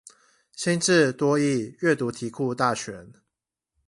新制多益閱讀題庫大全